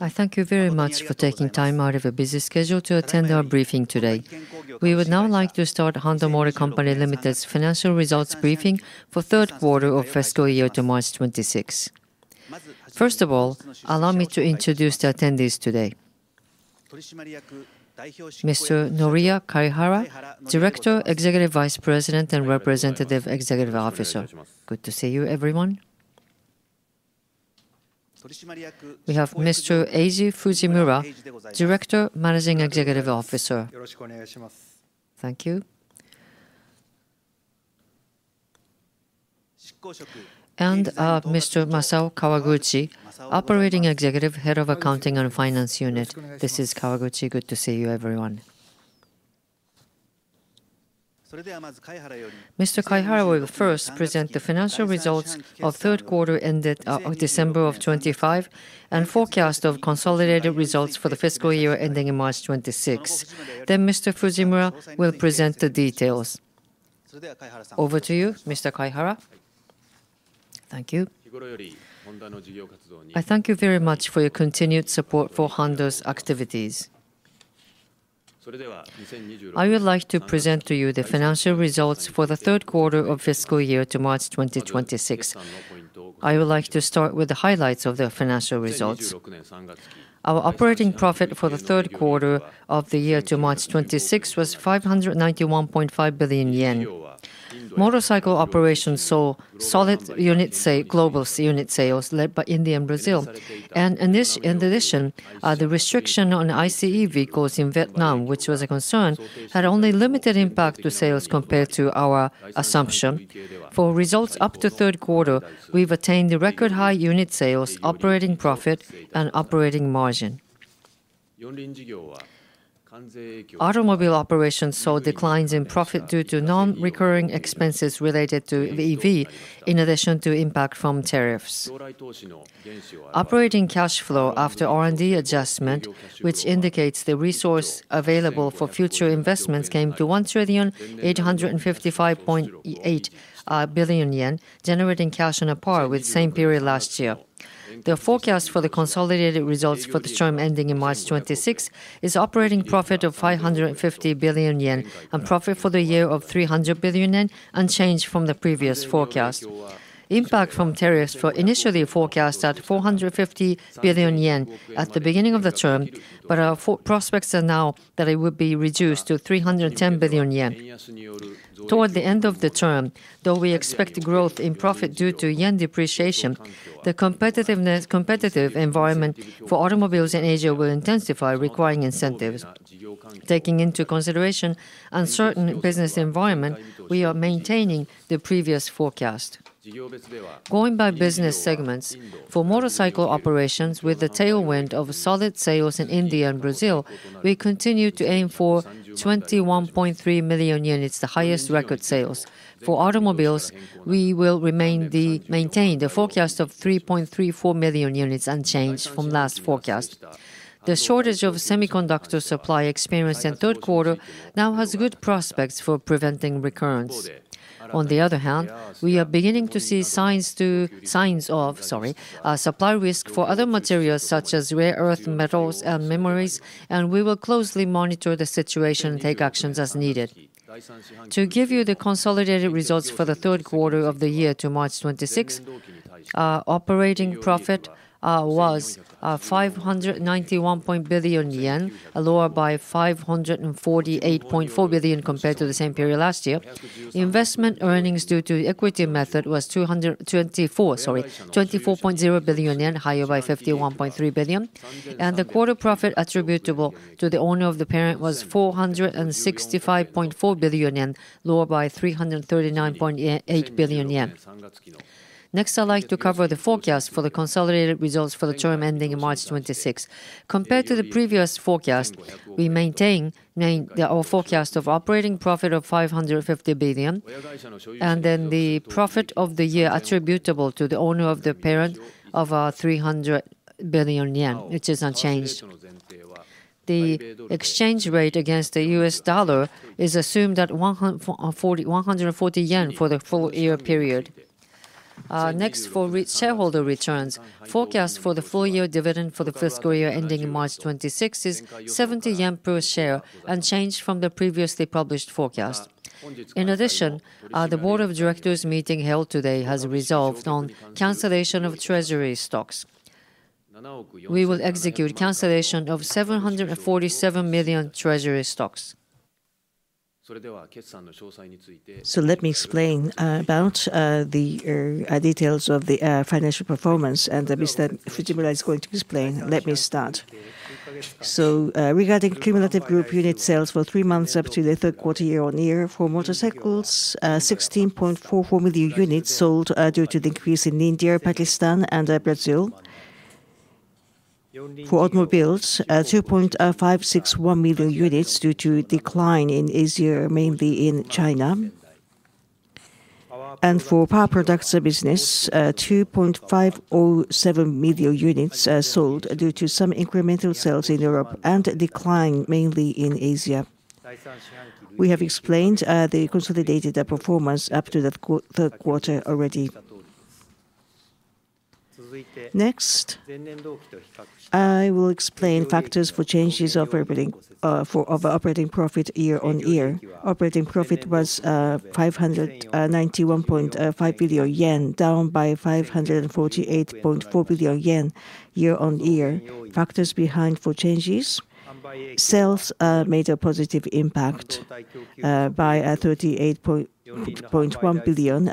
I thank you very much for taking time out of your busy schedule to attend our briefing today. We would now like to start Honda Motor Co., Ltd.'s financial results briefing for the third quarter of fiscal year ending March 2026. First of all, allow me to introduce the attendees today. Mr. Noriya Kaihara, Director, Executive Vice President, and Representative Executive Officer. Good to see you, everyone. We have Mr. Eiji Fujimura, Director, Managing Executive Officer. Thank you. And Mr. Masao Kawaguchi, Operating Executive, Head of Accounting and Finance Unit. This is Kawaguchi. Good to see you, everyone. Mr. Kaihara will first present the financial results of the third quarter ending December 2025 and the forecast of consolidated results for the fiscal year ending March 2026. Then Mr. Fujimura will present the details. Over to you, Mr. Kaihara. Thank you. I thank you very much for your continued support for Honda's activities. I would like to present to you the financial results for the third quarter of fiscal year to March 2026. I would like to start with the highlights of the financial results. Our operating profit for the third quarter of the year to March 2026 was 591.5 billion yen. Motorcycle operations saw solid unit global unit sales led by India and Brazil. And in addition, the restriction on ICE vehicles in Vietnam, which was a concern, had only limited impact to sales compared to our assumption. For results up to third quarter, we've attained the record high unit sales, operating profit, and operating margin. Automobile operations saw declines in profit due to non-recurring expenses related to EV, in addition to impact from tariffs. Operating cash flow after R&D adjustment, which indicates the resources available for future investments, came to 1,855.8 billion yen, generating cash on par with the same period last year. The forecast for the consolidated results for the term ending in March 2026 is operating profit of 550 billion yen and profit for the year of 300 billion yen, unchanged from the previous forecast. Impact from tariffs was initially forecast at 450 billion yen at the beginning of the term, but our prospects are now that it would be reduced to 310 billion yen. Toward the end of the term, though we expect growth in profit due to yen depreciation, the competitive environment for automobiles in Asia will intensify, requiring incentives. Taking into consideration the uncertain business environment, we are maintaining the previous forecast. Going by business segments, for motorcycle operations, with the tailwind of solid sales in India and Brazil, we continue to aim for 21.3 million units, the highest record sales. For automobiles, we will maintain the forecast of 3.34 million units, unchanged from the last forecast. The shortage of semiconductor supply experienced in the third quarter now has good prospects for preventing recurrence. On the other hand, we are beginning to see signs of supply risk for other materials such as rare earth metals and memories, and we will closely monitor the situation and take actions as needed. To give you the consolidated results for the third quarter of the year to March 2026, operating profit was 591.0 billion yen, lower by 548.4 billion compared to the same period last year. Investment earnings due to equity method was 24.0 billion yen, higher by 51.3 billion. The quarter profit attributable to the owner of the parent was 465.4 billion yen, lower by 339.8 billion yen. Next, I'd like to cover the forecast for the consolidated results for the term ending in March 2026. Compared to the previous forecast, we maintain our forecast of operating profit of 550 billion, and then the profit of the year attributable to the owner of the parent of 300 billion yen, which is unchanged. The exchange rate against the U.S. dollar is assumed at 140 yen for the full-year period. Next, for shareholder returns, the forecast for the full-year dividend for the fiscal year ending in March 2026 is 70 yen per share, unchanged from the previously published forecast. In addition, the board of directors meeting held today has resolved on the cancellation of treasury stocks. We will execute the cancellation of 747 million treasury stocks. So let me explain about the details of the financial performance. And Mr. Fujimura is going to explain. Let me start. So, regarding cumulative group unit sales for three months up to the third quarter year-on-year, for motorcycles, 16.44 million units sold due to the increase in India, Pakistan, and Brazil. For automobiles, 2.561 million units due to a decline in Asia, mainly in China. And for power products business, 2.507 million units sold due to some incremental sales in Europe and a decline, mainly in Asia. We have explained the consolidated performance up to the third quarter already. Next, I will explain factors for changes of operating profit year-on-year. Operating profit was 591.5 billion yen, down by 548.4 billion yen year-on-year. Factors behind the changes: Sales made a positive impact by 38.1 billion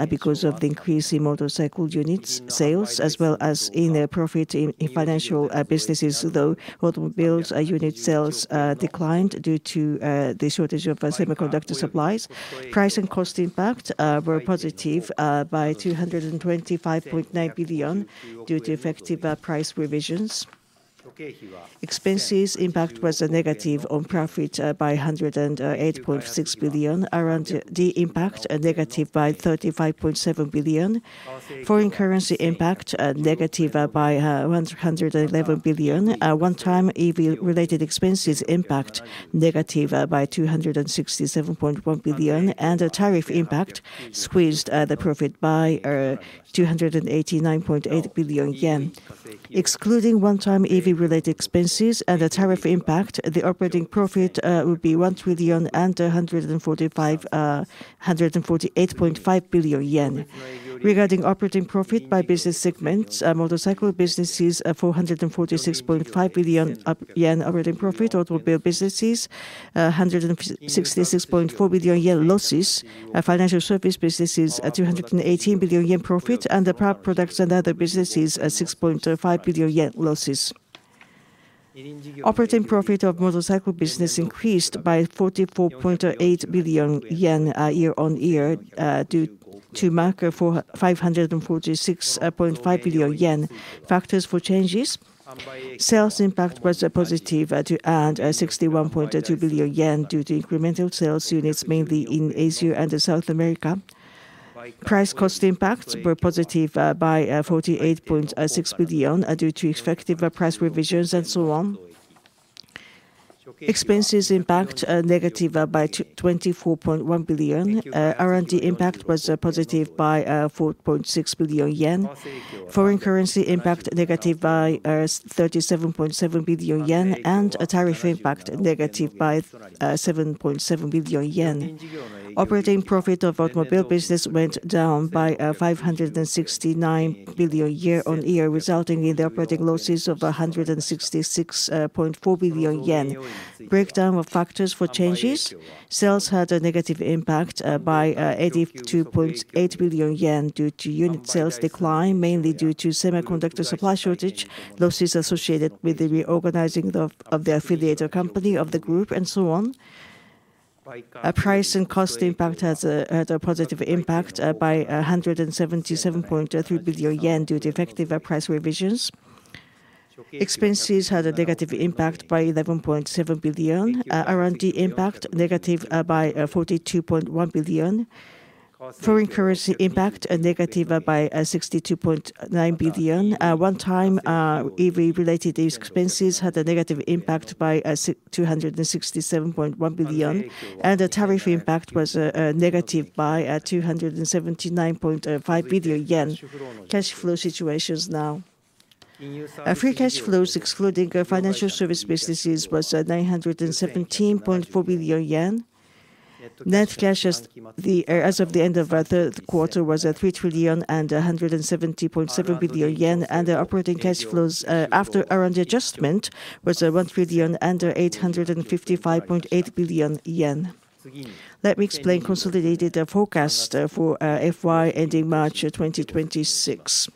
because of the increase in motorcycle unit sales, as well as in profit in financial businesses, though automobile unit sales declined due to the shortage of semiconductor supplies. Price and cost impact were positive by 225.9 billion due to effective price revisions. Expenses impact was negative on profit by 108.6 billion, R&D impact negative by 35.7 billion. Foreign currency impact negative by 111 billion. One-time EV-related expenses impact negative by 267.1 billion, and the tariff impact squeezed the profit by 289.8 billion yen. Excluding one-time EV-related expenses and the tariff impact, the operating profit would be 1,148.5 billion yen. Regarding operating profit by business segments, motorcycle businesses 446.5 billion yen operating profit, automobile businesses 166.4 billion yen losses, financial service businesses 218 billion yen profit, and the power products and other businesses 6.5 billion yen losses. Operating profit of motorcycle business increased by 44.8 billion yen year-on-year due to a margin of 546.5 billion yen. Factors for changes: Sales impact was positive and 61.2 billion yen due to incremental sales units, mainly in Asia and South America. Price cost impact was positive by 48.6 billion due to expected price revisions, and so on. Expenses impact negative by 24.1 billion. R&D impact was positive by 4.6 billion yen. Foreign currency impact negative by 37.7 billion yen, and tariff impact negative by 7.7 billion yen. Operating profit of automobile business went down by 569 billion year-on-year, resulting in the operating losses of 166.4 billion yen. Breakdown of factors for changes: Sales had a negative impact by 82.8 billion yen due to unit sales decline, mainly due to semiconductor supply shortage, losses associated with the reorganizing of the affiliated company of the group, and so on. Price and cost impact had a positive impact by 177.3 billion yen due to effective price revisions. Expenses had a negative impact by 11.7 billion. R&D impact negative by 42.1 billion. Foreign currency impact negative by 62.9 billion. One-time EV-related expenses had a negative impact by 267.1 billion, and the tariff impact was negative by 279.5 billion yen. Cash flow situations now: Free cash flows, excluding financial service businesses, was 917.4 billion yen. Net cash as of the end of the third quarter was 3,170.7 billion yen, and operating cash flows after R&D adjustment was 1,855.8 billion yen. Let me explain the consolidated forecast for FY ending March 2026.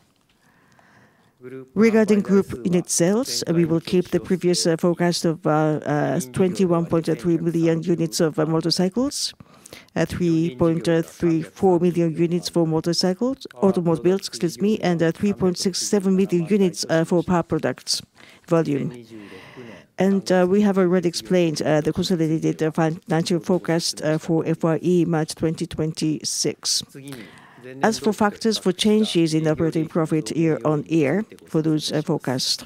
Regarding group unit sales, we will keep the previous forecast of 21.3 million units of motorcycles, 3.34 million units for automobiles, and 3.67 million units for power products volume. We have already explained the consolidated financial forecast for FYE March 2026. As for factors for changes in operating profit year-on-year, for those forecasts,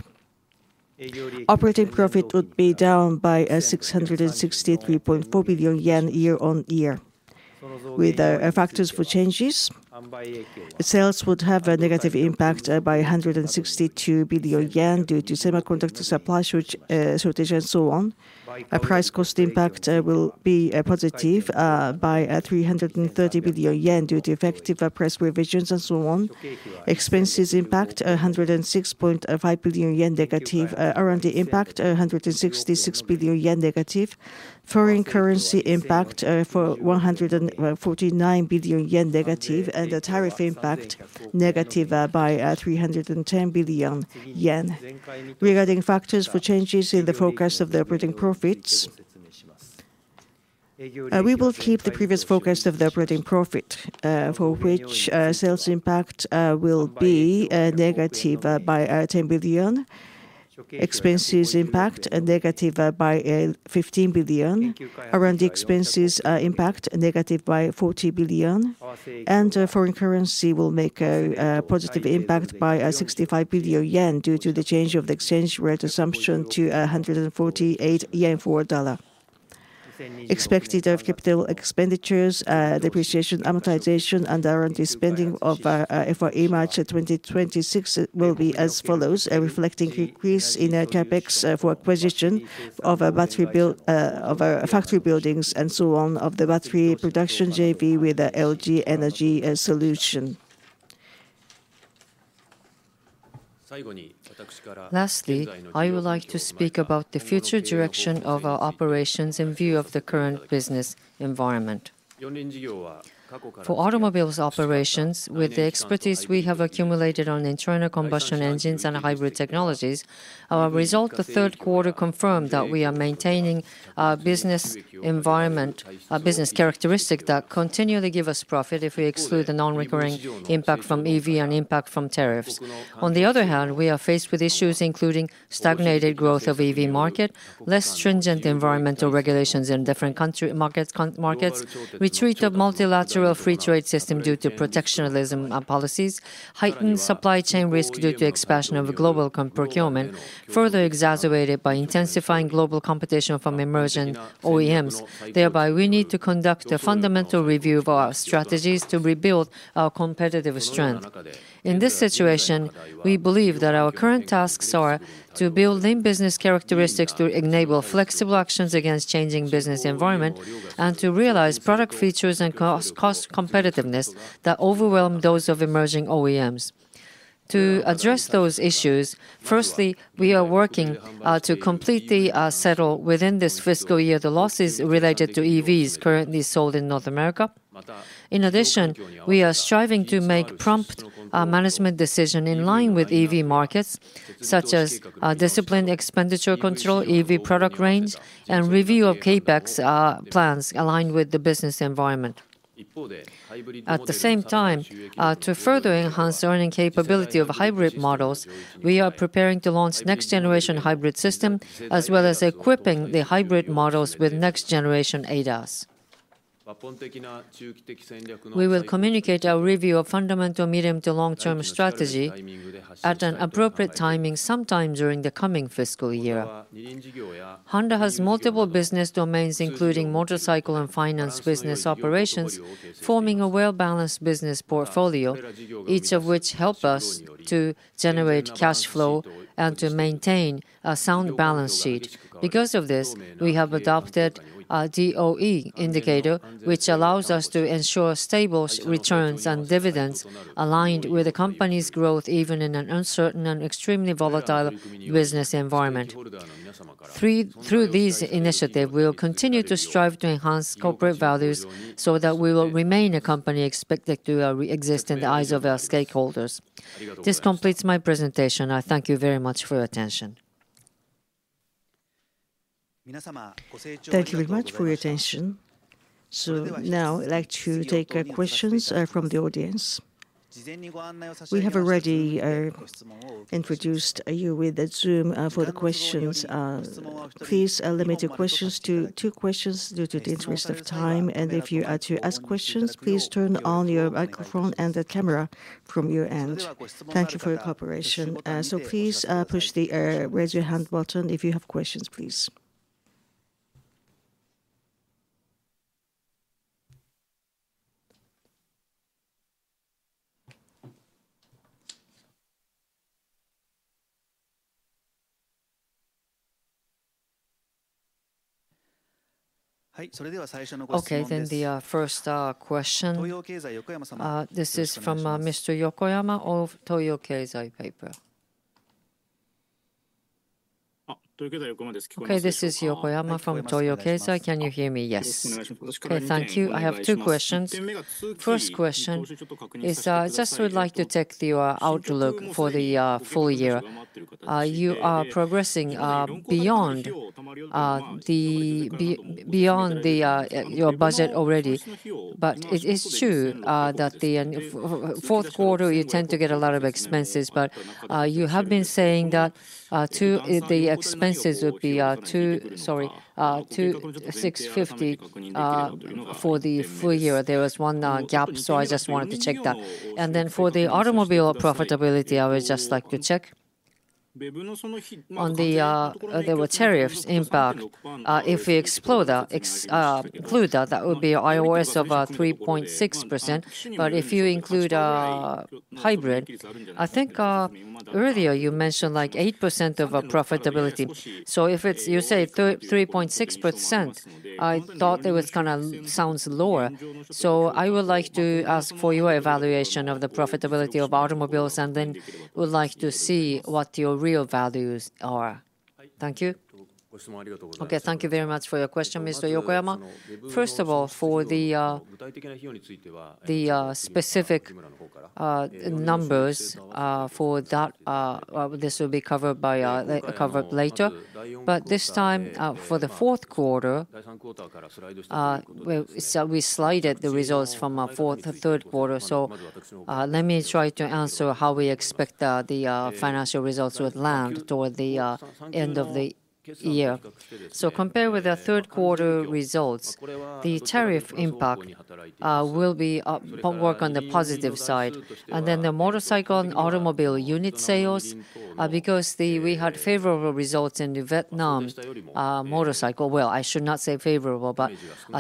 operating profit would be down by 663.4 billion yen year-on-year. With factors for changes, sales would have a negative impact by 162 billion yen due to semiconductor supply shortage, and so on. Price cost impact will be positive by 330 billion yen due to effective price revisions, and so on. Expenses impact: 106.5 billion yen negative. R&D impact: 166 billion yen negative. Foreign currency impact: 149 billion yen negative. The tariff impact: negative by 310 billion yen. Regarding factors for changes in the forecast of the operating profits, we will keep the previous forecast of the operating profit, for which sales impact will be negative by 10 billion. Expenses impact: negative by 15 billion. R&D expenses impact: negative by 40 billion. And foreign currency will make a positive impact by 65 billion yen due to the change of the exchange rate assumption to 148 yen for dollar. Expected capital expenditures, depreciation, amortization, and R&D spending of FYE March 2026 will be as follows, reflecting an increase in CapEx for acquisition of factory buildings, and so on, of the battery production JV with LG Energy Solution. Lastly, I would like to speak about the future direction of our operations in view of the current business environment. For automobiles operations, with the expertise we have accumulated on internal combustion engines and hybrid technologies, our results the third quarter confirmed that we are maintaining a business environment, a business characteristic that continually gives us profit if we exclude the non-recurring impact from EV and impact from tariffs. On the other hand, we are faced with issues including stagnated growth of the EV market, less stringent environmental regulations in different markets, retreat of multilateral free trade systems due to protectionism policies, heightened supply chain risk due to expansion of global procurement, further exacerbated by intensifying global competition from emerging OEMs. Thereby, we need to conduct a fundamental review of our strategies to rebuild our competitive strength. In this situation, we believe that our current tasks are to build in business characteristics to enable flexible actions against changing business environments, and to realize product features and cost competitiveness that overwhelm those of emerging OEMs. To address those issues, firstly, we are working to completely settle within this fiscal year the losses related to EVs currently sold in North America. In addition, we are striving to make prompt management decisions in line with EV markets, such as disciplined expenditure control, EV product range, and review of CapEx plans aligned with the business environment. At the same time, to further enhance the earning capability of hybrid models, we are preparing to launch next-generation hybrid systems, as well as equipping the hybrid models with next-generation ADAS. We will communicate our review of fundamental medium- to long-term strategy at an appropriate timing, sometime during the coming fiscal year. Honda has multiple business domains, including motorcycle and finance business operations, forming a well-balanced business portfolio, each of which helps us to generate cash flow and to maintain a sound balance sheet. Because of this, we have adopted a DOE indicator, which allows us to ensure stable returns and dividends aligned with the company's growth, even in an uncertain and extremely volatile business environment. Through these initiatives, we will continue to strive to enhance corporate values so that we will remain a company expected to exist in the eyes of our stakeholders. This completes my presentation. I thank you very much for your attention. Thank you very much for your attention. So now, I'd like to take questions from the audience. We have already introduced you with Zoom for the questions. Please limit your questions to two questions due to the interest of time. And if you are to ask questions, please turn on your microphone and the camera from your end. Thank you for your cooperation. So please push the raise-your-hand button if you have questions, please. Okay, then the first question. This is from Mr. Yokoyama of Toyo Keizai. Okay, this is Yokoyama from Toyo Keizai. Can you hear me? Yes. Thank you. I have two questions. First question is, I just would like to take your outlook for the full year. You are progressing beyond your budget already. But it is true that in the fourth quarter, you tend to get a lot of expenses. But you have been saying that the expenses would be 2,650 billion for the full year. There was one gap, so I just wanted to check that. And then for the automobile profitability, I would just like to check. There were tariffs impact. If we include that, that would be an IOS of 3.6%. But if you include a hybrid, I think earlier you mentioned like 8% of profitability. So if you say 3.6%, I thought it kind of sounds lower. So I would like to ask for your evaluation of the profitability of automobiles, and then would like to see what your real values are. Thank you. Okay, thank you very much for your question, Mr. Yokoyama. First of all, for the specific numbers, this will be covered later. But this time, for the fourth quarter, we slid the results from the third quarter. So let me try to answer how we expect the financial results would land toward the end of the year. So compared with the third quarter results, the tariff impact will work on the positive side. And then the motorcycle and automobile unit sales, because we had favorable results in the Vietnam motorcycle, well, I should not say favorable, but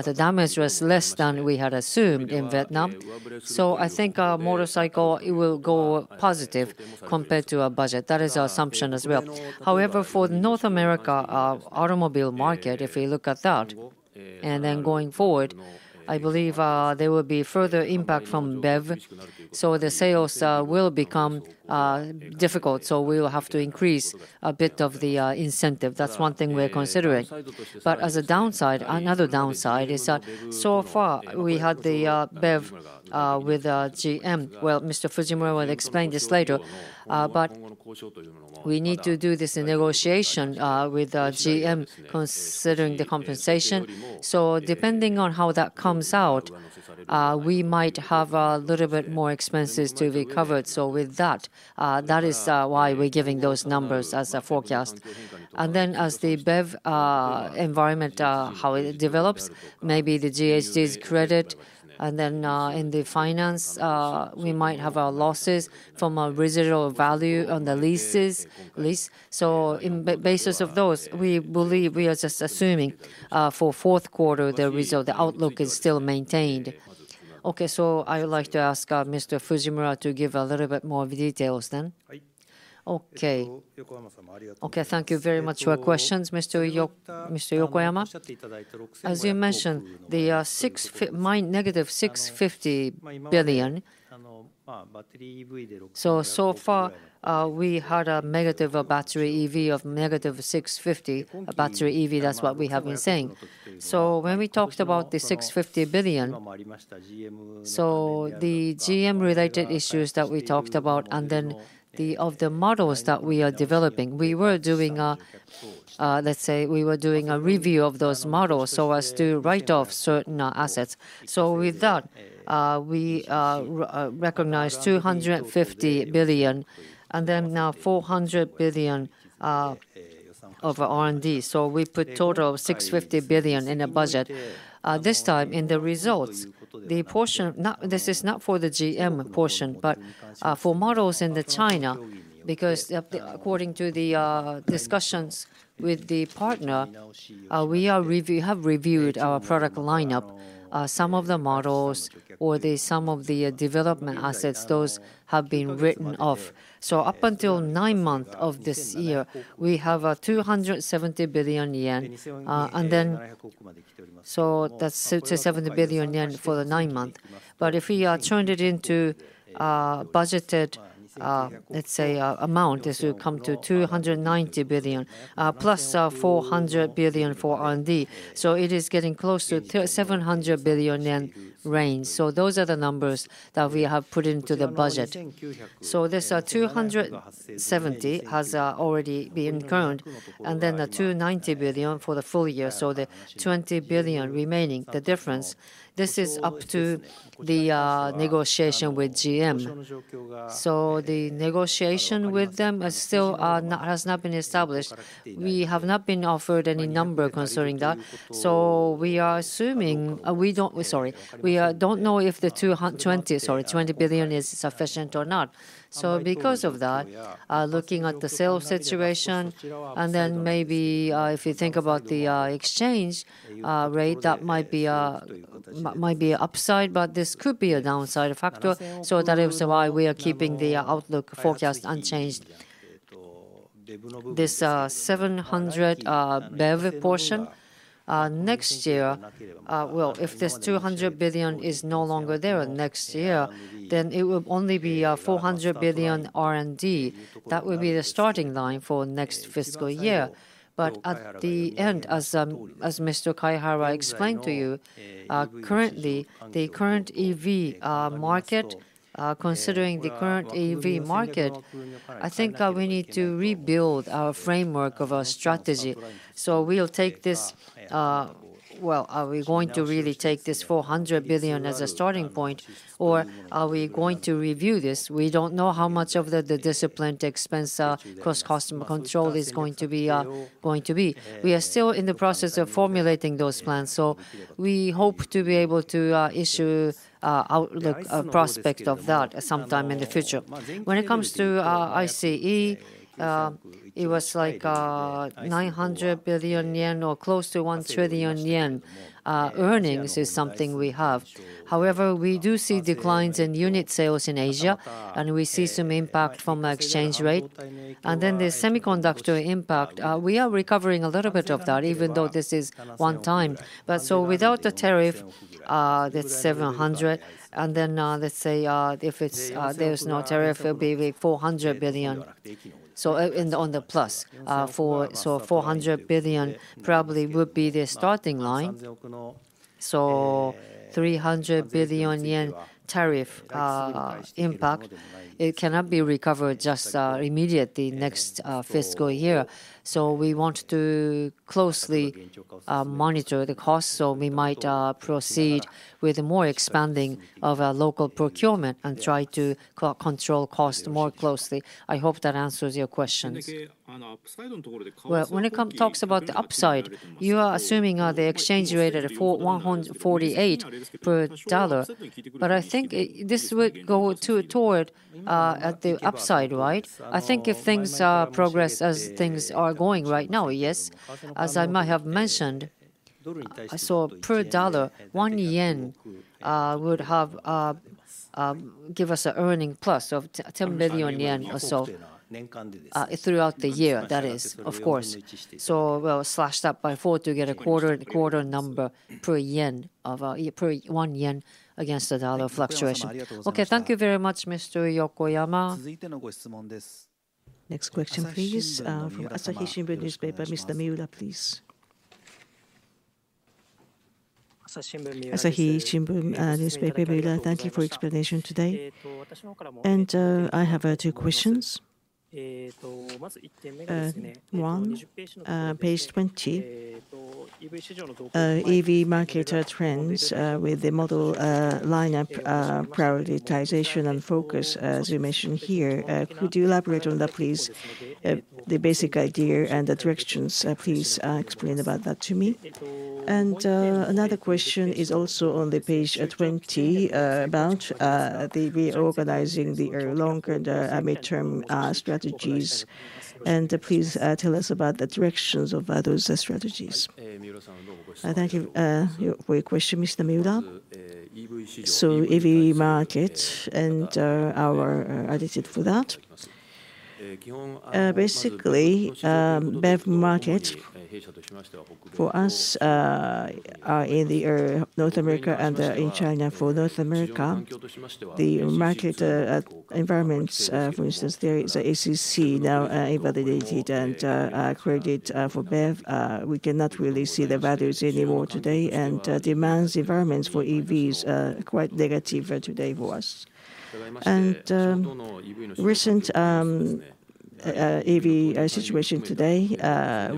the damage was less than we had assumed in Vietnam. So I think motorcycle, it will go positive compared to our budget. That is our assumption as well. However, for the North America automobile market, if we look at that, and then going forward, I believe there will be further impact from BEV. So the sales will become difficult. So we will have to increase a bit of the incentive. That's one thing we're considering. But as a downside, another downside is that so far, we had the BEV with GM. Well, Mr. Fujimura will explain this later. But we need to do this negotiation with GM, considering the compensation. So depending on how that comes out, we might have a little bit more expenses to be covered. So with that, that is why we're giving those numbers as a forecast. And then as the BEV environment, how it develops, maybe the GHGs credit, and then in the finance, we might have losses from residual value on the leases. So on the basis of those, we believe we are just assuming for fourth quarter, the outlook is still maintained. Okay, so I would like to ask Mr. Fujimura to give a little bit more details then. Okay. Okay, thank you very much for your questions, Mr. Yokoyama. As you mentioned, the -650 billion. So so far, we had a negative battery EV of -650 billion. Battery EV, that's what we have been saying. So when we talked about the 650 billion, so the GM-related issues that we talked about, and then of the models that we are developing, we were doing a let's say, we were doing a review of those models so as to write off certain assets. So with that, we recognized 250 billion, and then now 400 billion of R&D. So we put a total of 650 billion in the budget. This time, in the results, the portion this is not for the GM portion, but for models in China, because according to the discussions with the partner, we have reviewed our product lineup. Some of the models or some of the development assets, those have been written off. So up until nine months of this year, we have 270 billion yen. And then so that's 270 billion yen for the nine months. But if we turn it into a budgeted, let's say, amount, this will come to 290 billion, plus 400 billion for R&D. So it is getting close to the 700 billion yen range. So those are the numbers that we have put into the budget. So this 270 has already been incurred. And then the 290 billion for the full year, so the 20 billion remaining, the difference, this is up to the negotiation with GM. So the negotiation with them still has not been established. We have not been offered any number concerning that. So we are assuming we don't sorry, we don't know if the 20 billion is sufficient or not. So because of that, looking at the sales situation, and then maybe if you think about the exchange rate, that might be an upside. But this could be a downside factor. So that is why we are keeping the outlook forecast unchanged. This 700 billion BEV portion, next year well, if this 200 billion is no longer there next year, then it will only be 400 billion R&D. That will be the starting line for next fiscal year. But at the end, as Mr. Kaihara explained to you, currently, the current EV market, considering the current EV market, I think we need to rebuild our framework of our strategy. So we'll take this well, are we going to really take this 400 billion as a starting point? Or are we going to review this? We don't know how much of the disciplined expense, cross-customer control, is going to be going to be. We are still in the process of formulating those plans. So we hope to be able to issue an outlook prospect of that sometime in the future. When it comes to ICE, it was like 900 billion yen or close to 1 trillion yen earnings is something we have. However, we do see declines in unit sales in Asia, and we see some impact from the exchange rate. And then the semiconductor impact, we are recovering a little bit of that, even though this is one-time. But so without the tariff, that's 700 billion. And then let's say, if there's no tariff, it will be 400 billion. So, on the plus. 400 billion probably would be the starting line. 300 billion yen tariff impact, it cannot be recovered just immediately next fiscal year. So we want to closely monitor the costs. So we might proceed with more expanding of our local procurement and try to control costs more closely. I hope that answers your questions. Well, when it talks about the upside, you are assuming the exchange rate at 148 per dollar. But I think this would go toward the upside, right? I think if things progress as things are going right now, yes. As I might have mentioned, I said per dollar, 1 yen would give us an earning plus of 10 billion yen or so throughout the year, that is, of course. So we'll slash that by four to get a quarter-quarter number per yen of per 1 yen against the dollar fluctuation. Okay, thank you very much, Mr. Yokoyama. Next question, please, from Asahi Shimbun Newspaper. Mr. Miura, please. Asahi Shimbun Newspaper, Miura, thank you for your explanation today. And I have two questions. One, page 20, EV market trends with the model lineup prioritization and focus, as you mentioned here. Could you elaborate on that, please? The basic idea and the directions, please explain about that to me. And another question is also on page 20 about reorganizing the longer and midterm strategies. And please tell us about the directions of those strategies. Thank you for your question, Mr. Miura. So EV market and our attitude for that. Basically, BEV market, for us, in North America and in China, for North America, the market environments, for instance, there is an ACC now invalidated and accredited for BEV. We cannot really see the values anymore today. Demand environments for EVs are quite negative today for us. The recent EV situation today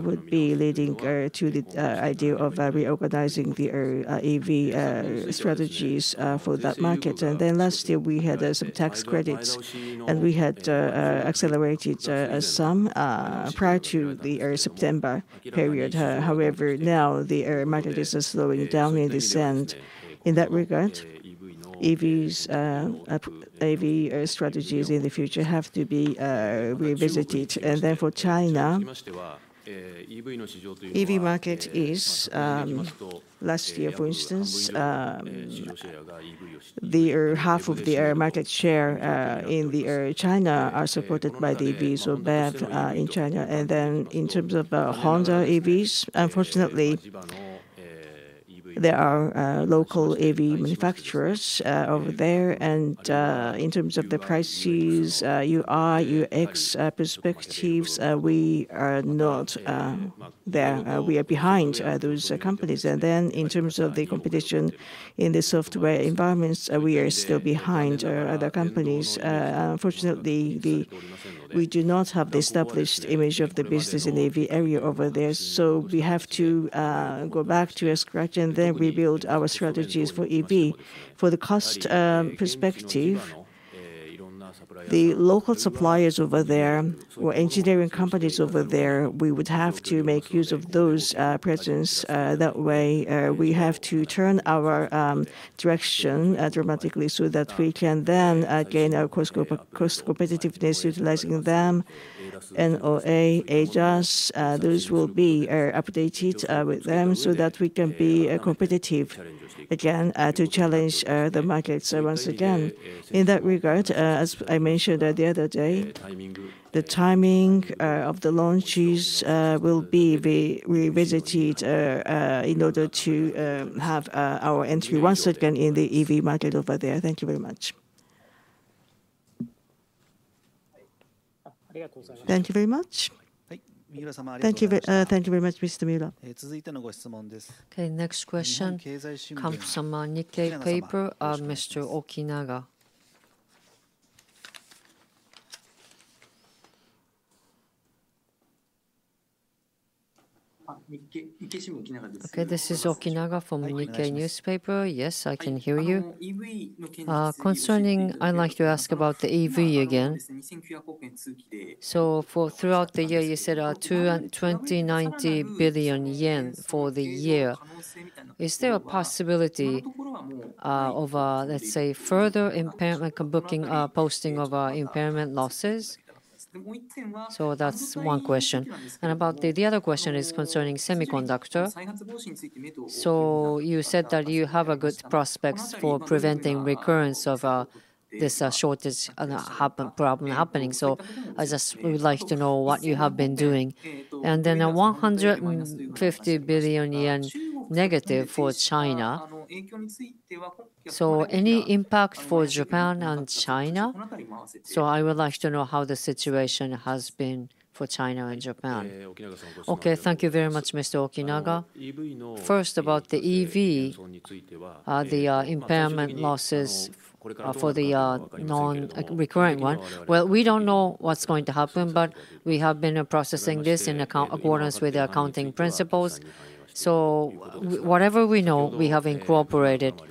would be leading to the idea of reorganizing the EV strategies for that market. Last year, we had some tax credits, and we had accelerated some prior to the September period. However, now, the market is slowing down in this end. In that regard, EV strategies in the future have to be revisited. For China, the EV market is last year, for instance, half of the market share in China are supported by the EVs or BEV in China. In terms of Honda EVs, unfortunately, there are local EV manufacturers over there. In terms of the prices, UI, UX perspectives, we are not there. We are behind those companies. In terms of the competition in the software environments, we are still behind other companies. Unfortunately, we do not have the established image of the business in the EV area over there. So we have to go back to a scratch and then rebuild our strategies for EV. For the cost perspective, the local suppliers over there or engineering companies over there, we would have to make use of those presence. That way, we have to turn our direction dramatically so that we can then gain our cost competitiveness utilizing them. NOA, ADAS, those will be updated with them so that we can be competitive again to challenge the markets once again. In that regard, as I mentioned the other day, the timing of the launches will be revisited in order to have our entry once again in the EV market over there. Thank you very much. Thank you very much. Thank you very much, Mr. Miura. Okay, this is Okinawa from Nikkei Newspaper. Yes, I can hear you. Concerning, I'd like to ask about the EV again. So throughout the year, you said 290 billion yen for the year. Is there a possibility of, let's say, further impairment posting of impairment losses? So that's one question. And about the other question is concerning semiconductor. So you said that you have a good prospects for preventing recurrence of this shortage problem happening. So I just would like to know what you have been doing. And then 150 billion yen negative for China. So any impact for Japan and China? So I would like to know how the situation has been for China and Japan. Okay, thank you very much, Mr. Okinawa. First, about the EV, the impairment losses for the non-recurring one. Well, we don't know what's going to happen, but we have been processing this in accordance with the accounting principles. So whatever we know, we have incorporated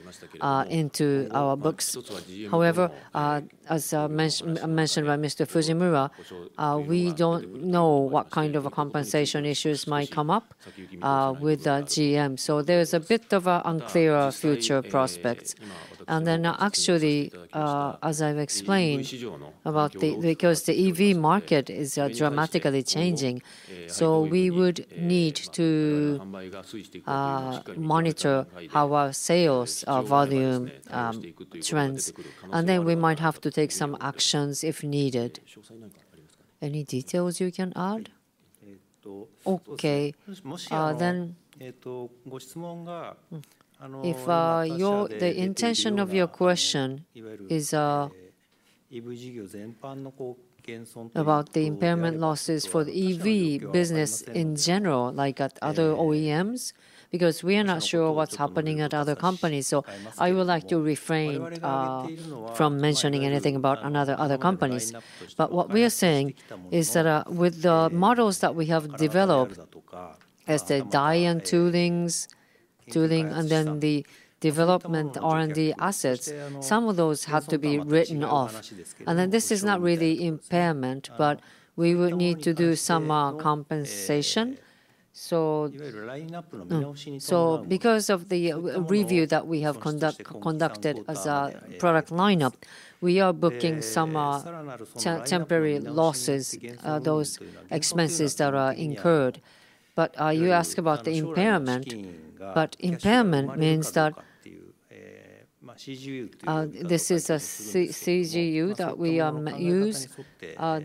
into our books. However, as mentioned by Mr. Fujimura, we don't know what kind of compensation issues might come up with the GM. So there's a bit of an unclear future prospects. And then actually, as I've explained about because the EV market is dramatically changing, so we would need to monitor our sales volume trends. And then we might have to take some actions if needed. Any details you can add? Okay. Then if the intention of your question is about the impairment losses for the EV business in general, like at other OEMs, because we are not sure what's happening at other companies. So I would like to refrain from mentioning anything about other companies. But what we are saying is that with the models that we have developed, as the die and tooling, and then the development R&D assets, some of those have to be written off. This is not really impairment, but we would need to do some compensation. Because of the review that we have conducted as a product lineup, we are booking some temporary losses, those expenses that are incurred. But you asked about the impairment. Impairment means that this is a CGU that we use.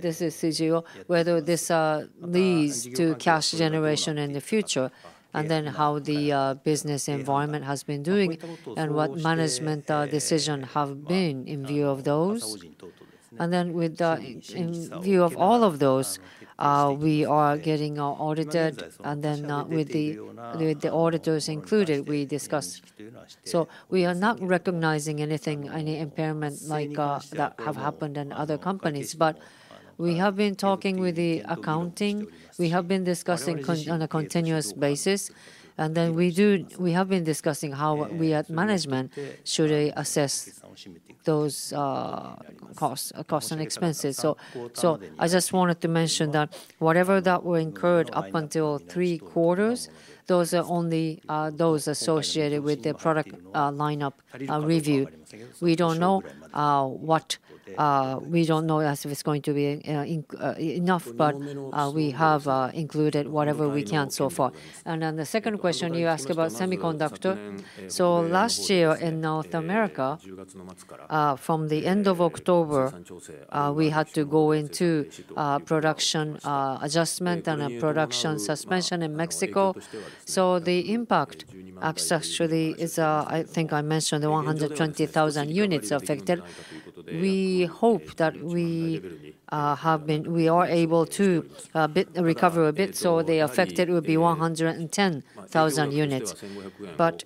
This is CGU, whether this leads to cash generation in the future, and then how the business environment has been doing and what management decisions have been in view of those. In view of all of those, we are getting audited. With the auditors included, we discuss. So we are not recognizing anything, any impairment like that have happened in other companies. But we have been talking with the accounting. We have been discussing on a continuous basis. And then we have been discussing how we, at management, should assess those costs and expenses. So I just wanted to mention that whatever that were incurred up until three quarters, those are only those associated with the product lineup review. We don't know what we don't know as if it's going to be enough, but we have included whatever we can so far. And then the second question, you asked about semiconductor. So last year in North America, from the end of October, we had to go into production adjustment and production suspension in Mexico. So the impact, actually, is I think I mentioned the 120,000 units affected. We hope that we are able to recover a bit. The affected would be 110,000 units. But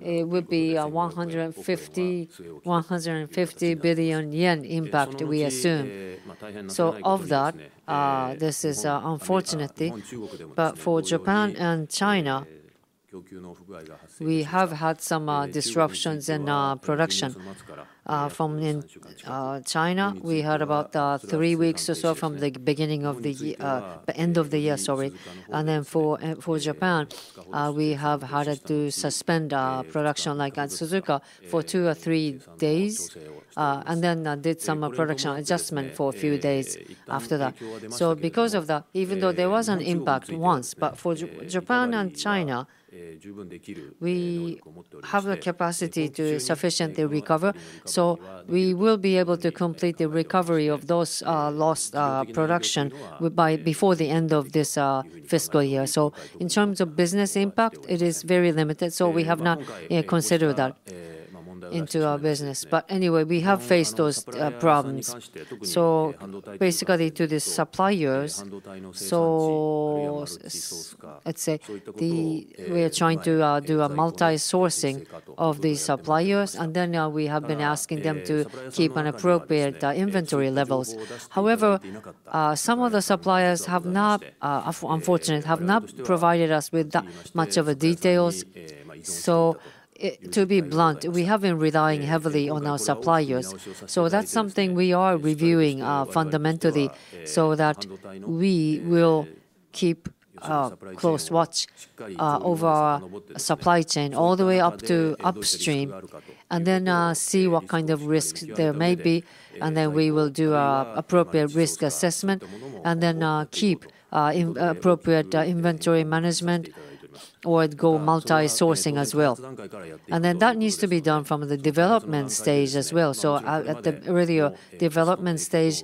it would be a 150 billion yen impact, we assume. Of that, this is, unfortunately. But for Japan and China, we have had some disruptions in production. From China, we had about three weeks or so from the beginning of the end of the year, sorry. Then for Japan, we have had to suspend production like at Suzuka for two or three days and then did some production adjustment for a few days after that. So because of that, even though there was an impact once, but for Japan and China, we have the capacity to sufficiently recover. So we will be able to complete the recovery of those lost production by before the end of this fiscal year. So in terms of business impact, it is very limited. So we have not considered that into our business. But anyway, we have faced those problems. So basically, to the suppliers, so let's say we are trying to do a multi-sourcing of the suppliers. And then we have been asking them to keep an appropriate inventory levels. However, some of the suppliers have not, unfortunately, have not provided us with that much of a details. So to be blunt, we have been relying heavily on our suppliers. So that's something we are reviewing fundamentally so that we will keep a close watch over our supply chain all the way upstream and then see what kind of risks there may be. And then we will do an appropriate risk assessment and then keep appropriate inventory management or go multi-sourcing as well. And then that needs to be done from the development stage as well. So at the early development stage,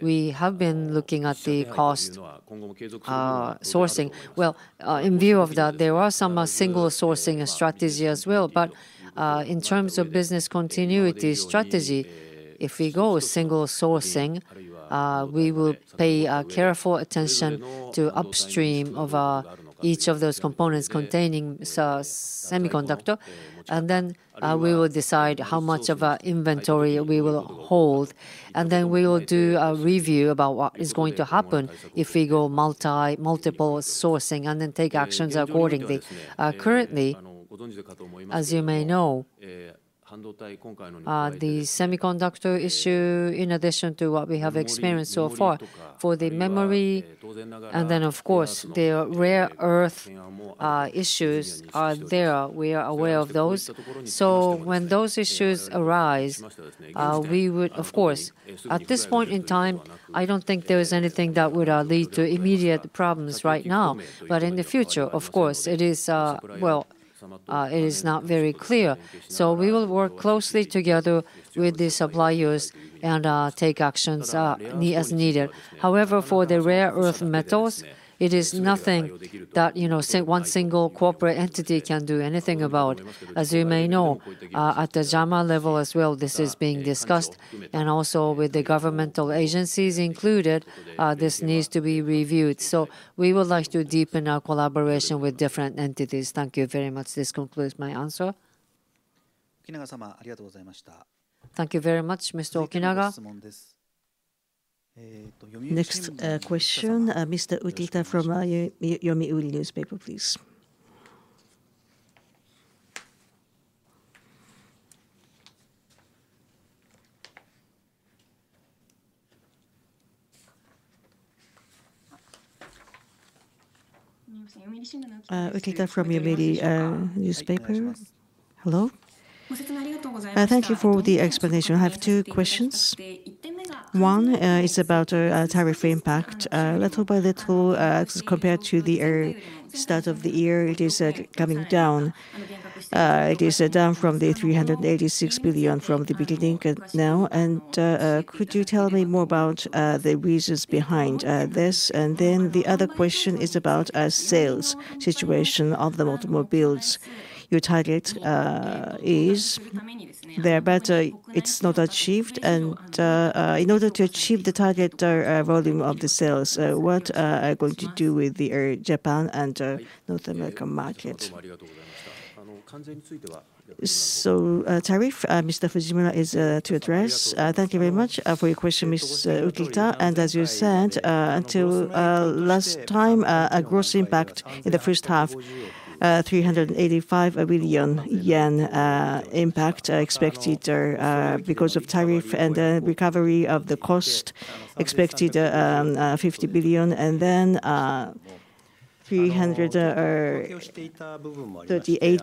we have been looking at the cost sourcing. Well, in view of that, there are some single-sourcing strategies as well. But in terms of business continuity strategy, if we go single-sourcing, we will pay careful attention to upstream of each of those components containing semiconductor. And then we will decide how much of our inventory we will hold. And then we will do a review about what is going to happen if we go multiple sourcing and then take actions accordingly. Currently, as you may know, the semiconductor issue, in addition to what we have experienced so far for the memory, and then, of course, the rare earth issues are there. We are aware of those. So when those issues arise, we would, of course, at this point in time, I don't think there is anything that would lead to immediate problems right now. But in the future, of course, it is well, it is not very clear. So we will work closely together with the suppliers and take actions as needed. However, for the rare earth metals, it is nothing that one single corporate entity can do anything about. As you may know, at the JAMA level as well, this is being discussed. And also with the governmental agencies included, this needs to be reviewed. So we would like to deepen our collaboration with different entities. Thank you very much. This concludes my answer. Next question, Mr. Okinawa. Thank you for the explanation. I have two questions. One is about tariff impact. Little by little, compared to the start of the year, it is coming down. It is down from the 386 billion from the beginning now. And could you tell me more about the reasons behind this? And then the other question is about a sales situation of the automobiles. Your target is there, but it's not achieved. In order to achieve the target volume of the sales, what are you going to do with the Japan and North America market? So tariff, Mr. Fujimura, is to address. Thank you very much for your question, Ms. Uchida. And as you said, until last time, a gross impact in the first half, 385 billion yen impact expected because of tariff and the recovery of the cost, expected 50 billion, and then 338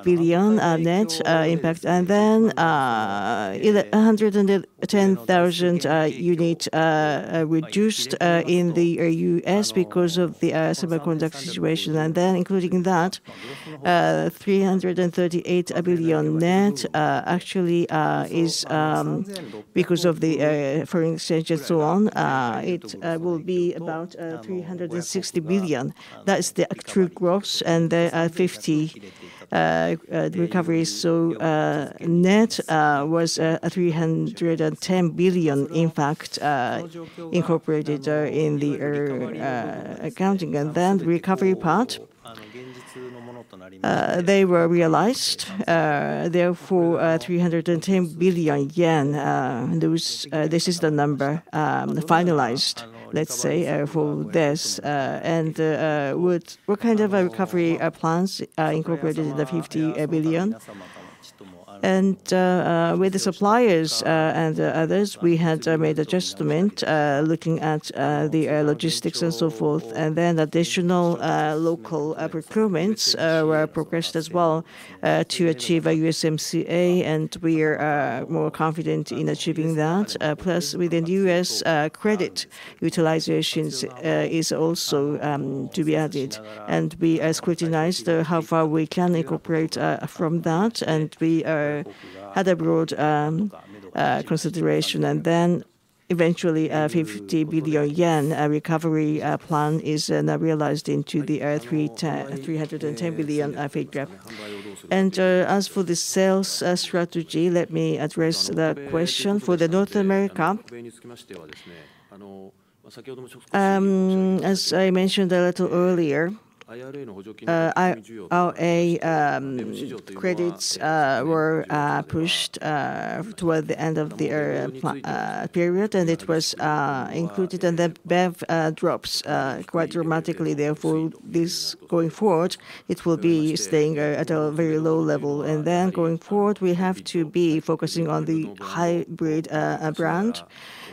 billion net impact. And then 110,000 units reduced in the US because of the semiconductor situation. And then including that, 338 billion net actually is because of the foreign exchange and so on. It will be about 360 billion. That is the actual gross. And there are 50 billion recoveries. So net was 310 billion, in fact, incorporated in the accounting. And then the recovery part, they were realized. Therefore, 310 billion yen, this is the number finalized, let's say, for this. What kind of recovery plans incorporated in the 50 billion? With the suppliers and others, we had made adjustments looking at the logistics and so forth. Additional local procurements were progressed as well to achieve a USMCA. We are more confident in achieving that. Plus, within the U.S., credit utilization is also to be added. We scrutinized how far we can incorporate from that. We had a broad consideration. Eventually, a 50 billion yen recovery plan is now realized into the 310 billion pay gap. As for the sales strategy, let me address the question. For North America, as I mentioned a little earlier, our credits were pushed toward the end of the period. It was included. Then BEV drops quite dramatically. Therefore, going forward, it will be staying at a very low level. Going forward, we have to be focusing on the hybrid brand,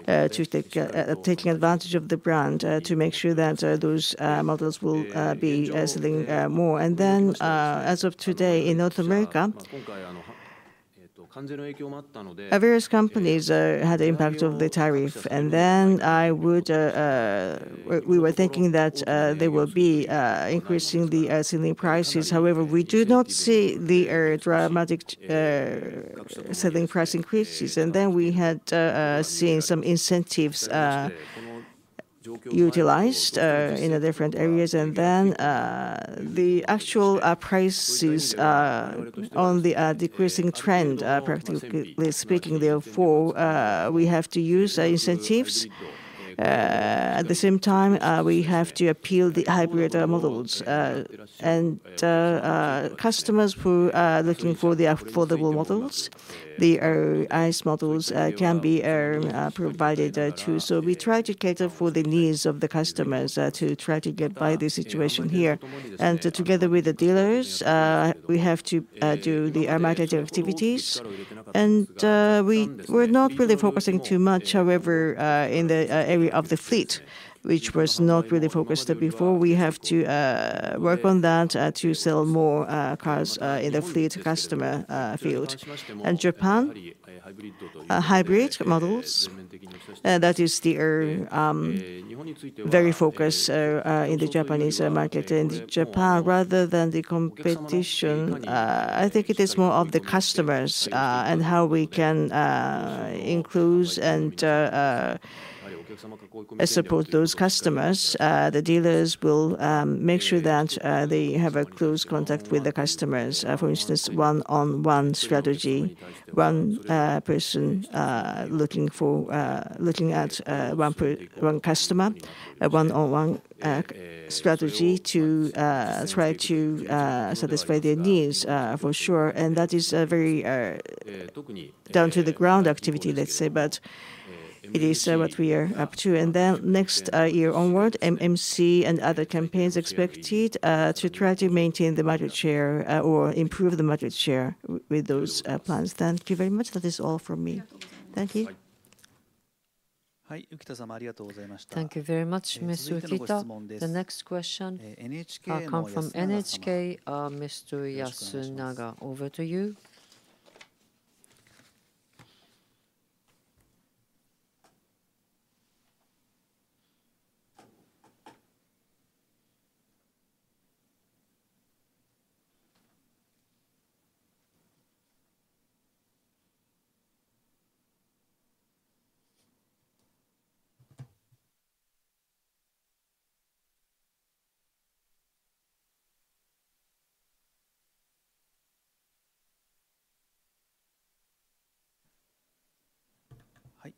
taking advantage of the brand to make sure that those models will be selling more. As of today, in North America, various companies had the impact of the tariff. We were thinking that there will be increasingly selling prices. However, we do not see the dramatic selling price increases. We had seen some incentives utilized in different areas. The actual prices are on the decreasing trend, practically speaking. Therefore, we have to use incentives. At the same time, we have to appeal the hybrid models. Customers who are looking for the affordable models, the ICE models, can be provided too. We try to cater for the needs of the customers to try to get by the situation here. Together with the dealers, we have to do the marketing activities. We're not really focusing too much, however, in the area of the fleet, which was not really focused before. We have to work on that to sell more cars in the fleet customer field. Japan, hybrid models, that is very focused in the Japanese market. In Japan, rather than the competition, I think it is more of the customers and how we can include and support those customers. The dealers will make sure that they have a close contact with the customers. For instance, one-on-one strategy, one person looking at one customer, one-on-one strategy to try to satisfy their needs, for sure. That is a very down-to-the-ground activity, let's say. But it is what we are up to. Then next year onward, MMC and other campaigns expected to try to maintain the market share or improve the market share with those plans. Thank you very much. That is all from me. Thank you. Thank you very much, Ms. Uchida. The next questions come from NHK. Mr. Yasunaga, over to you.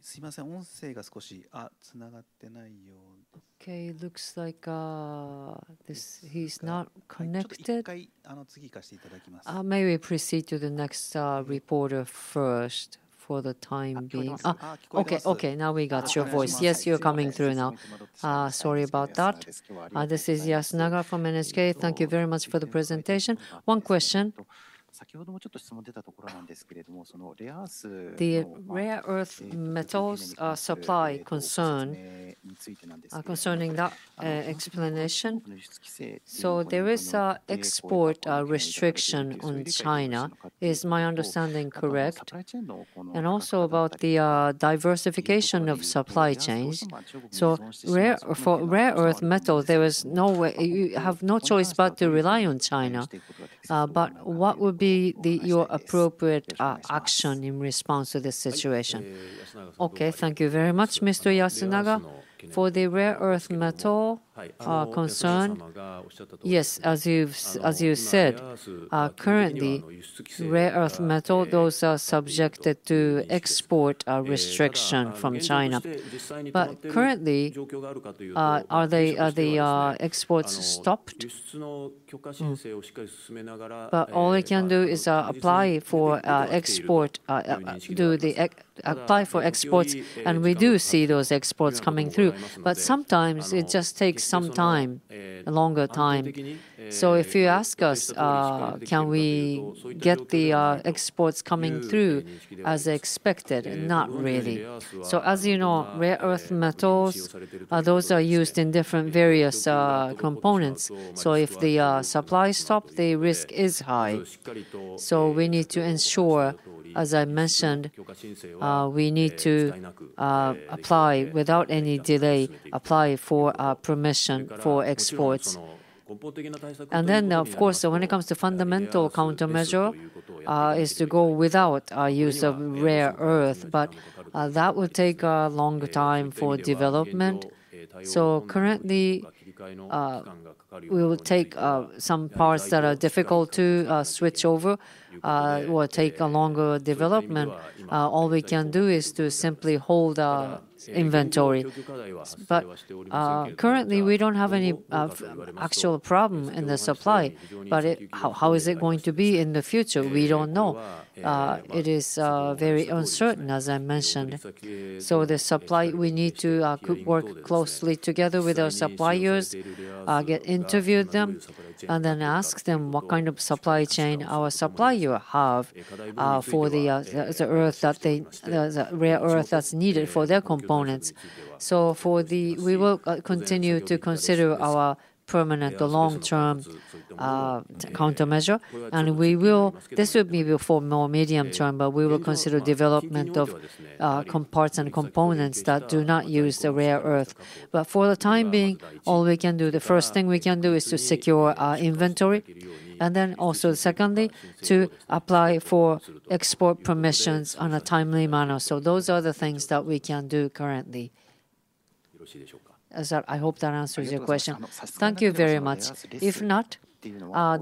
すいません、音声が少しつながってないよう。Okay, it looks like he's not connected. 次行かせていただきます。May we proceed to the next reporter first for the time being? Okay, now we got your voice. Yes, you're coming through now. Sorry about that. This is Yasunaga from NHK. Thank you very much for the presentation. One question. 先ほどもちょっと質問出たところなんですけれども、そのレアアース。The rare earth metals supply concern, concerning that explanation, so there is an export restriction on China, is my understanding correct? And also about the diversification of supply chains. So for rare earth metals, there is no way you have no choice but to rely on China. But what would be your appropriate action in response to this situation? Okay, thank you very much, Mr. Yasunaga. For the rare earth metal concern, yes, as you said, currently, rare earth metals, those are subjected to export restriction from China. But currently, are the exports stopped? But all I can do is apply for export, do the apply for exports. And we do see those exports coming through. But sometimes it just takes some time, a longer time. So if you ask us, can we get the exports coming through as expected? Not really. So as you know, rare earth metals, those are used in different various components. So if the supply stops, the risk is high. So we need to ensure, as I mentioned, we need to apply without any delay, apply for permission for exports. Then, of course, when it comes to fundamental countermeasure, it is to go without use of rare earth. But that would take a longer time for development. So currently, we will take some parts that are difficult to switch over or take a longer development. All we can do is to simply hold our inventory. But currently, we don't have any actual problem in the supply. But how is it going to be in the future? We don't know. It is very uncertain, as I mentioned. So the supply, we need to work closely together with our suppliers, interview them, and then ask them what kind of supply chain our supplier have for the rare earth that's needed for their components. So we will continue to consider our permanent, the long-term countermeasure. And this would be for more medium term, but we will consider development of parts and components that do not use the rare earth. But for the time being, all we can do, the first thing we can do is to secure inventory. And then also, secondly, to apply for export permissions in a timely manner. So those are the things that we can do currently. I hope that answers your question. Thank you very much. If not,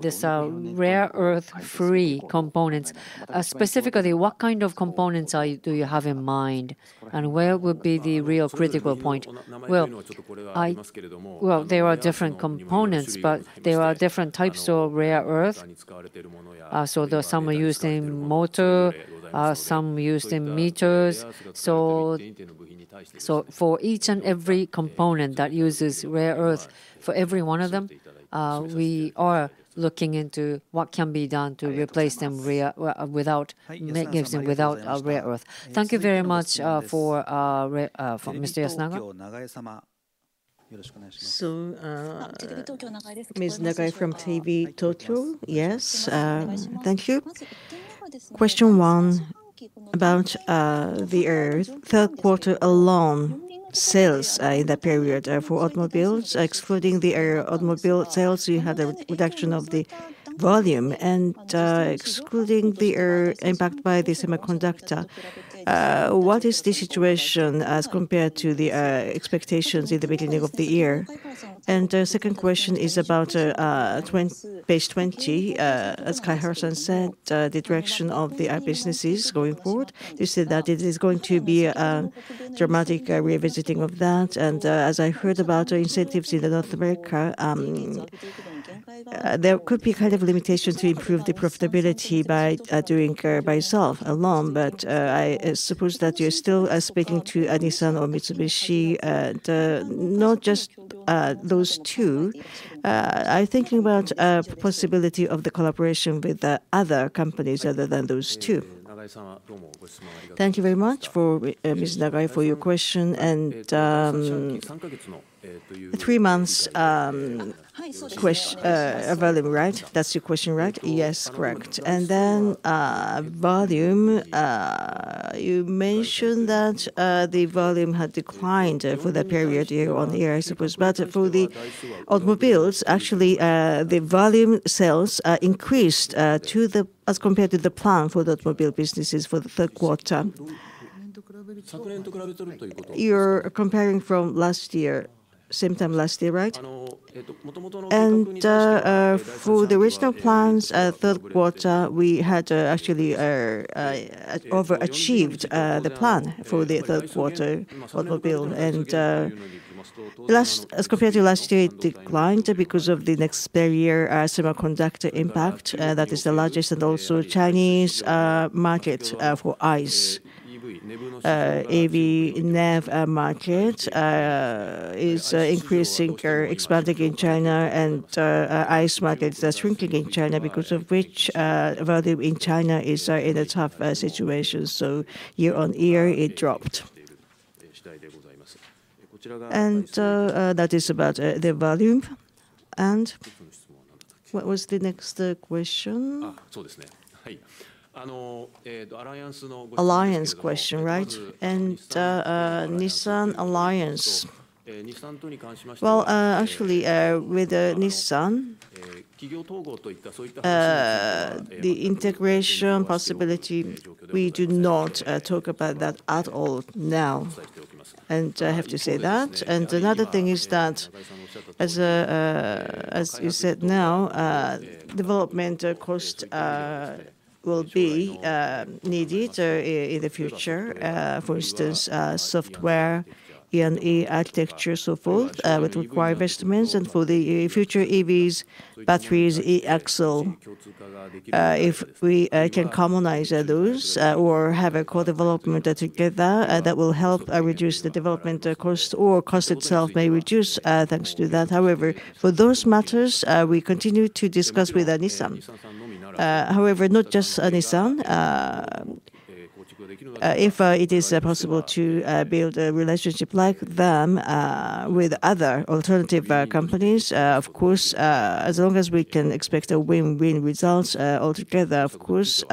these rare earth-free components, specifically, what kind of components do you have in mind? And where would be the real critical point? Well, there are different components, but there are different types of rare earth. So some are used in motors, some are used in meters. So for each and every component that uses rare earth, for every one of them, we are looking into what can be done to replace them without making them without rare earth. Thank you very much, Mr. Yasunaga. Ms. Nagai from TV Tokyo, yes. Thank you. Question one about rare earth. Third quarter overall sales in that period for automobiles, excluding the automobile sales, you had a reduction of the volume. And excluding the impact by the semiconductor, what is the situation as compared to the expectations in the beginning of the year? And the second question is about page 20. As Noriya Kaihara said, the direction of the businesses going forward, you said that it is going to be a dramatic revisiting of that. And as I heard about incentives in North America, there could be kind of limitations to improve the profitability by doing by itself alone. But I suppose that you're still speaking to Nissan or Mitsubishi, not just those two. I'm thinking about the possibility of the collaboration with other companies other than those two. Thank you very much for Ms. Nagai for your question. And three months volume, right? That's your question, right? Yes, correct. And then volume, you mentioned that the volume had declined for that period year-on-year, I suppose. But for the automobiles, actually, the volume sales increased as compared to the plan for the automobile businesses for the third quarter. You're comparing from last year, same time last year, right? And for the original plans, third quarter, we had actually overachieved the plan for the third quarter automobile. And as compared to last year, it declined because of the next barrier, semiconductor impact. That is the largest and also Chinese market for ICE. AV/NAV market is expanding in China. ICE markets are shrinking in China because of which volume in China is in a tough situation. So year-on-year, it dropped. And that is about the volume. And what was the next question? はい、アライアンスの Alliance question, right? And Nissan Alliance. Well, actually, with Nissan. 企業統合といった、そういった話。The integration possibility, we do not talk about that at all now. And I have to say that. And another thing is that, as you said now, development costs will be needed in the future. For instance, software, E&E architecture, so forth, would require investments. And for the future EVs, batteries, e-axle, if we can commonize those or have a co-development together, that will help reduce the development cost. Or cost itself may reduce thanks to that. However, for those matters, we continue to discuss with Nissan. However, not just Nissan. If it is possible to build a relationship like that with other alternative companies, of course, as long as we can expect a win-win result altogether, of course,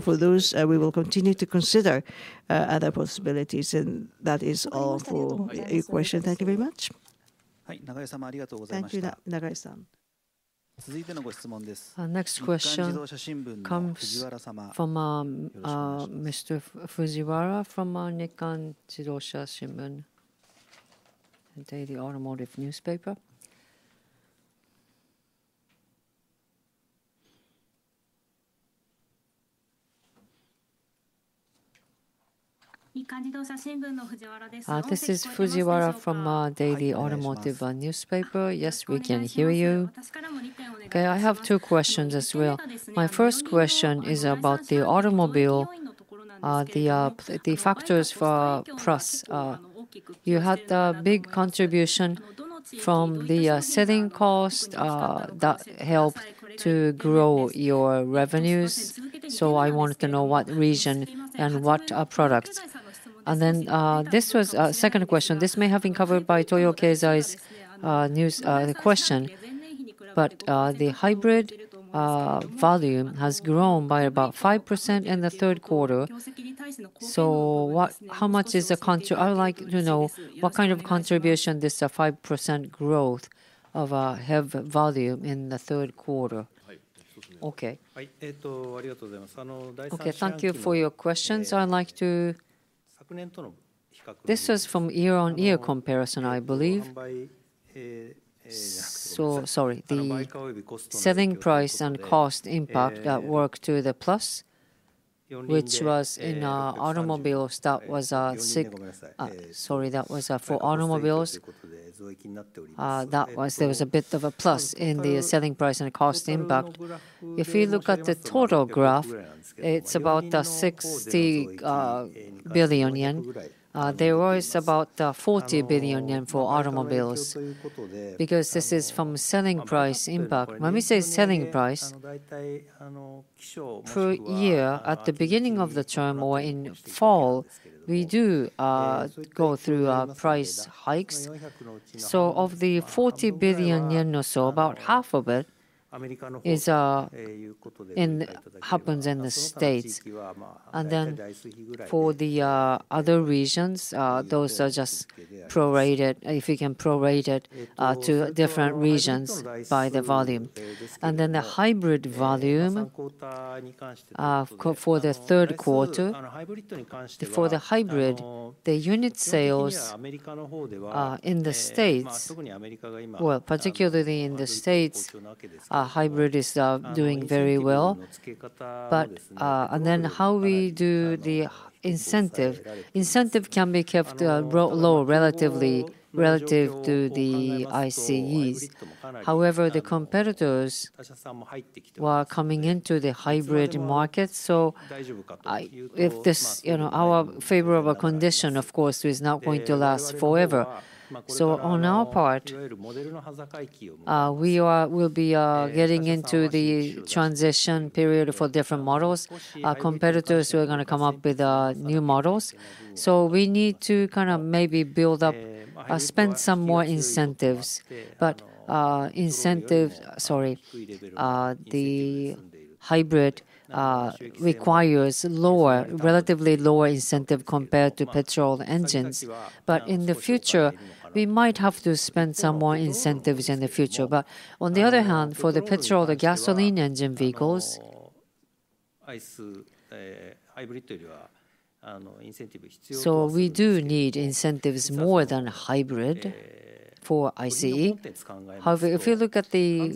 for those, we will continue to consider other possibilities. And that is all for your question. Thank you very much. 続いてのご質問です。Nikkan Jidosha Shimbunの藤原様, Mr. Fujiwara from Nikkan Jidosha Shimbun and Daily Automotive Newspaper. 日刊自動車新聞の藤原です。This is Fujiwara from Daily Automotive Newspaper. Yes, we can hear you. Okay, I have two questions as well. My first question is about the automobile, the factors for. Plus, you had a big contribution from the selling cost that helped to grow your revenues. So I wanted to know what region and what products. And then this was a second question. This may have been covered by Toyo Keizai's question. But the hybrid volume has grown by about 5% in the third quarter. So how much is the I would like to know what kind of contribution this 5% growth of volume in the third quarter. Okay. ありがとうございます。Okay, thank you for your questions. I'd like to. This was from year-on-year comparison, I believe. So sorry, the selling price and cost impact that worked to the plus, which was in automobiles, that was a sorry, that was for automobiles. There was a bit of a plus in the selling price and cost impact. If you look at the total graph, it's about 60 billion yen. There was about 40 billion yen for automobiles because this is from selling price impact. When we say selling price, per year, at the beginning of the term or in fall, we do go through price hikes. So of the 40 billion yen or so, about half of it happens in the States. For the other regions, those are just prorated, if you can prorate it to different regions by the volume. And then the hybrid volume for the third quarter, for the hybrid, the unit sales in the States, well, particularly in the States, hybrid is doing very well. But then how we do the incentive, incentive can be kept low relatively to the ICEs. However, the competitors were coming into the hybrid market. So if this our favorable condition, of course, is not going to last forever. So on our part, we will be getting into the transition period for different models. Competitors are going to come up with new models. So we need to kind of maybe build up, spend some more incentives. But incentives, sorry, the hybrid requires relatively lower incentive compared to petrol engines. But in the future, we might have to spend some more incentives in the future. But on the other hand, for the petrol or gasoline engine vehicles, so we do need incentives more than hybrid for ICE. However, if you look at the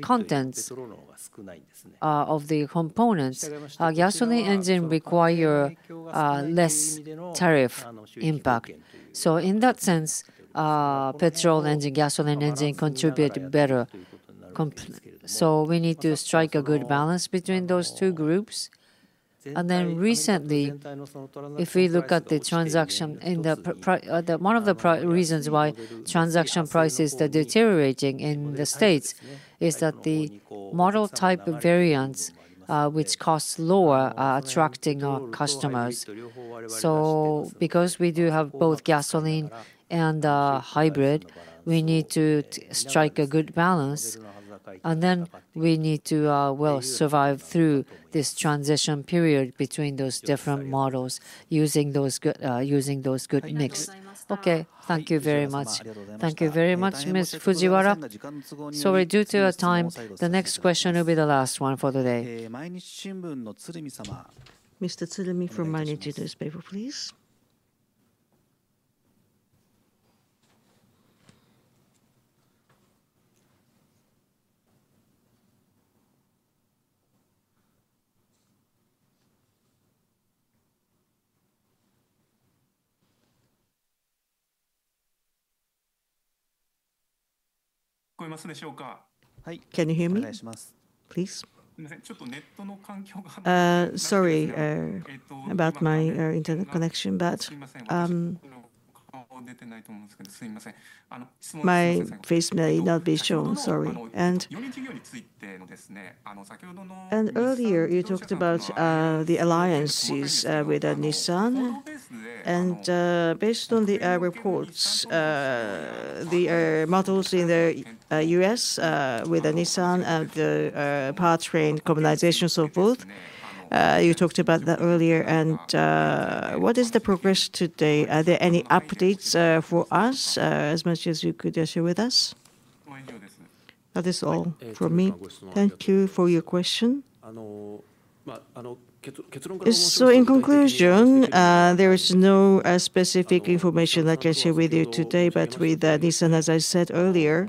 contents of the components, gasoline engine require less tariff impact. So in that sense, petrol engine, gasoline engine contribute better. So we need to strike a good balance between those two groups. And then recently, if we look at the transaction, one of the reasons why transaction prices are deteriorating in the States is that the model type variants, which cost lower, are attracting customers. So because we do have both gasoline and hybrid, we need to strike a good balance. And then we need to, well, survive through this transition period between those different models using those good mix. Okay, thank you very much. Thank you very much, Ms. Fujiwara. Sorry, due to time, the next question will be the last one for the day. Mr. Tsurumi from Mainichi Shimbun, please. はい、can you hear me? お願いします。Please. すみません、ちょっとネットの環境が。Sorry about my internet connection, but すみません、私の顔出てないと思うんですけど、すみません。質問してください。My face may not be shown, sorry. 四輪授業についてのですね、先ほどの。And earlier, you talked about the alliances with Nissan. And based on the reports, the models in the US with Nissan and the part train commonization, so forth, you talked about that earlier. And what is the progress today? Are there any updates for us, as much as you could share with us? That is all from me. Thank you for your question. So in conclusion, there is no specific information I can share with you today. But with Nissan, as I said earlier,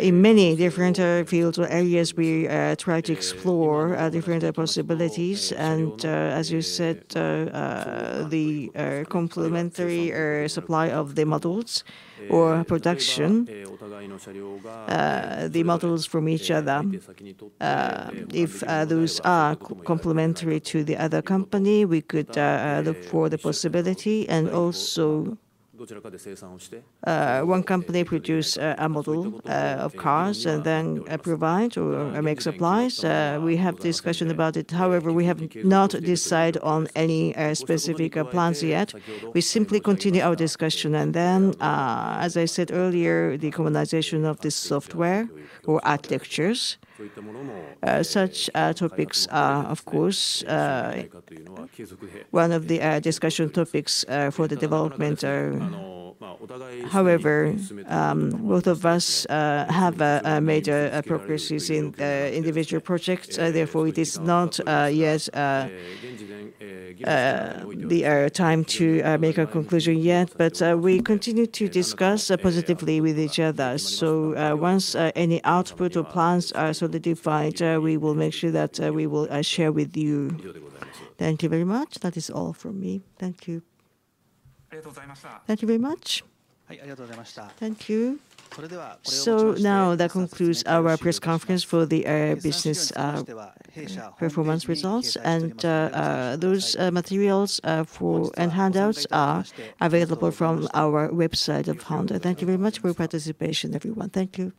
in many different fields or areas, we try to explore different possibilities. As you said, the complementary supply of the models or production, the models from each other, if those are complementary to the other company, we could look for the possibility. Also, one company produces a model of cars and then provides or makes supplies. We have discussion about it. However, we have not decided on any specific plans yet. We simply continue our discussion. Then, as I said earlier, the communization of this software or architectures, such topics, of course, one of the discussion topics for the development. However, both of us have made progresses in the individual projects. Therefore, it is not yet the time to make a conclusion yet. But we continue to discuss positively with each other. So once any output or plans are solidified, we will make sure that we will share with you. Thank you very much. That is all from me. Thank you. ありがとうございました。Thank you very much. はい、ありがとうございました。Thank you. それでは、これを。So now that concludes our press conference for the business performance results. And those materials and handouts are available from our website of Honda. Thank you very much for your participation, everyone. Thank you.